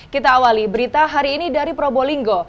kita awali berita hari ini dari probolinggo